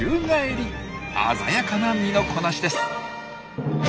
鮮やかな身のこなしです。